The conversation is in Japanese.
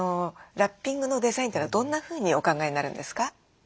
ラッピングのデザインというのはどんなふうにお考えになるんですか？